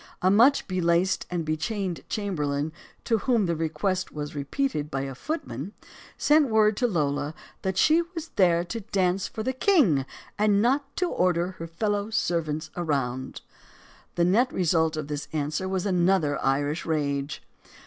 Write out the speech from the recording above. A much belaced and bechained chamberlain to whom the request was repeated by a footman sent word to Lola that she was there to dance for the king and not to order her fellow servants around. The net result of this answer was another Irish rage.